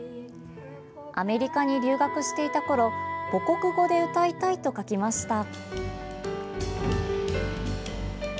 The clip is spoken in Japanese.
アメリカに留学していたころ母国語で歌いたいと書きました。